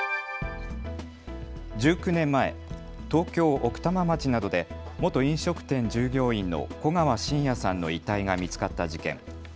１９年前、東京奥多摩町などで元飲食店従業員の古川信也さんの遺体が見つかった事件。